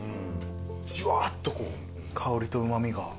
じゅわっとこう香りとうま味が。